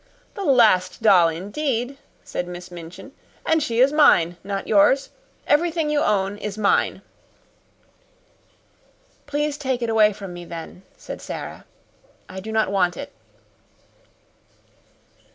"The Last Doll, indeed!" said Miss Minchin. "And she is mine, not yours. Everything you own is mine." "Please take it away from me, then," said Sara. "I do not want it."